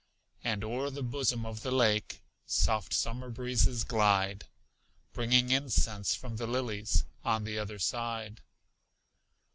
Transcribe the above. And o'er the bosom of the lake Soft summer breezes glide, Bringing incense from the lilies On the other side.